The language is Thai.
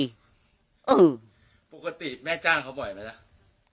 ปกติแม่จ้างเขาบ่อยไหมล่ะ